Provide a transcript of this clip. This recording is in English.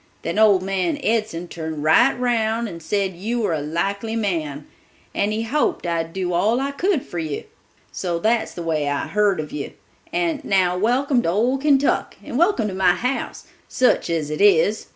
Then old man Edson turned right round and said you were a likely man, and he hoped I'd do all I could for you. So that's the way I heard of you; and now welcome to old Kentuck, and welcome to my house, such as it is.